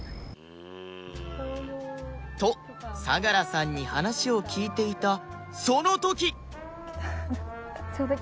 と相良さんに話を聞いていたその時！来た。